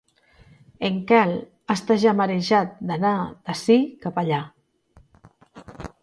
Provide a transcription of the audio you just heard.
En Quel està ja marejat d'anar d'ací cap allà.